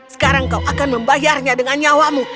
sekarang kau akan membayarnya dengan nyawamu